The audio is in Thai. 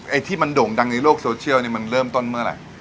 ไอ้ที่มันโด่งดังในโลกโซเชียลเนี่ยมันเริ่มต้นเมื่อไหร่